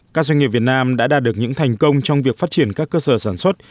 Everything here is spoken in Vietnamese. các doanh nghiệp việt nam đã đạt được những thành công trong việc phát triển các cơ sở sản xuất